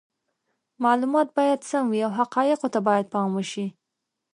معلومات باید سم وي او حقایقو ته باید پام وشي.